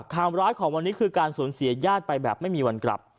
ร้ายของวันนี้คือการสูญเสียญาติไปแบบไม่มีวันกลับ